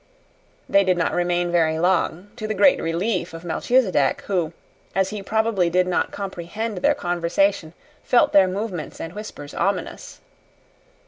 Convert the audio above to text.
They did not remain very long, to the great relief of Melchisedec, who, as he probably did not comprehend their conversation, felt their movements and whispers ominous.